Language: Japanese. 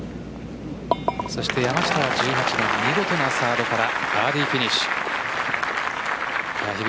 そして、山下は１８番見事なサードからバーディーフィニッシュ。